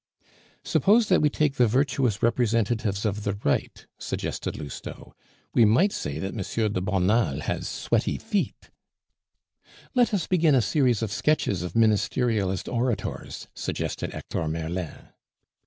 "Suppose that we take the virtuous representatives of the Right?" suggested Lousteau. "We might say that M. de Bonald has sweaty feet." "Let us begin a series of sketches of Ministerialist orators," suggested Hector Merlin.